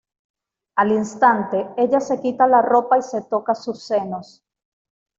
Al instante ella se quita la ropa y se toca sus senos.